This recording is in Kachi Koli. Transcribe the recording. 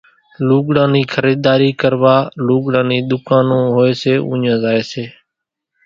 لوڳڙان نِي خريڌاري ڪروا لوڳڙان نِي ڌُڪانون ھوئي سي اُوڃان زائي سي